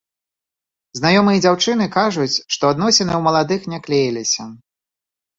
Знаёмыя дзяўчыны кажуць, што адносіны ў маладых не клеіліся.